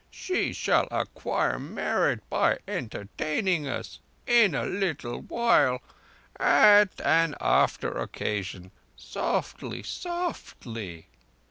She shall acquire merit by entertaining us—in a little while—at an after occasion—softly, softly.